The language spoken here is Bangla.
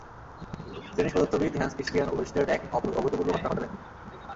ডেনিস পদার্থবিদ হ্যান্স ক্রিশ্চিয়ান ওয়েরস্টেড এক অভূতপূর্ব ঘটনা ঘটালেন।